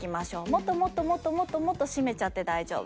もっともっともっともっともっと締めちゃって大丈夫です。